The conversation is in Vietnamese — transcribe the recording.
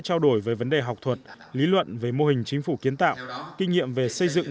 trao đổi về vấn đề học thuật lý luận về mô hình chính phủ kiến tạo kinh nghiệm về xây dựng